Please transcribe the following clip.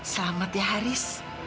selamat ya haris